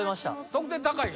得点高いよ